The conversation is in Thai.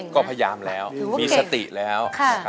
ก็พยายามแล้วมีสติแล้ว